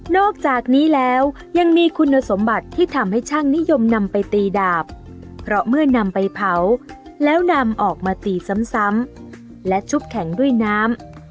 อกจากนี้แล้วยังมีคุณสมบัติที่ทำให้ช่างนิยมนำไปตีดาบเพราะเมื่อนำไปเผาแล้วนำออกมาตีซ้ำและชุบแข็งด้วยน้ำ